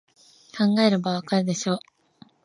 考えればわかるでしょ